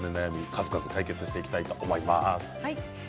数々解決していきたいと思います。